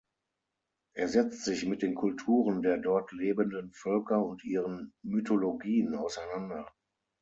Er setzt sich mit den Kulturen der dort lebenden Völker und ihren Mythologien auseinander.